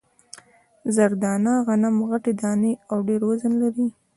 زر دانه غنم غټې دانې او ډېر وزن لري.